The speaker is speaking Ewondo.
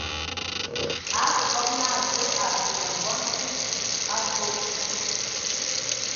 Akǝ kɔb naa Zǝǝ a seŋe bɔn tsíd a dzom.